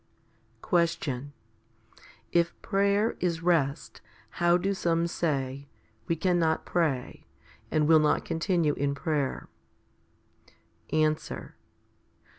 6. Question. If prayer is rest, how do some say, "We cannot pray," and will not continue in prayer? Answer.